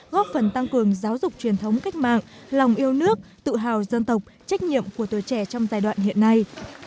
góp phần tăng cường giáo dục truyền thống cách mạng lòng yêu nước tự hào dân tộc trách nhiệm của tuổi trẻ trong giai đoạn hiện nay